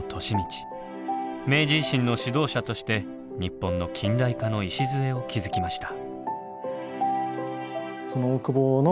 明治維新の指導者として日本の近代化の礎を築きました。